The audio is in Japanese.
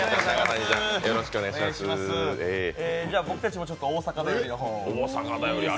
僕たちも大阪便りの方を。